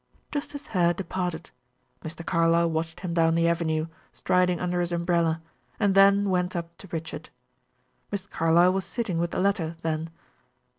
Justice Hare departed. Mr. Carlyle watched him down the avenue, striding under his umbrella, and then went up to Richard. Miss Carlyle was sitting with the latter then.